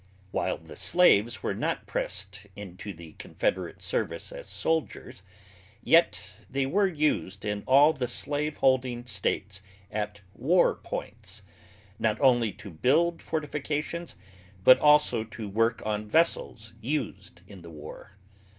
While the slaves were not pressed into the Confederate service as soldiers, yet they were used in all the slave holding states at war points, not only to build fortifications, but also to work on vessels used in the war.